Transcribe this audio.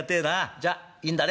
じゃいいんだね？